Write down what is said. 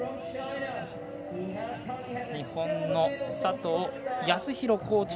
日本の佐藤康弘